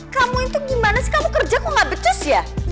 kamu itu gimana sih kamu kerja kok gak becus ya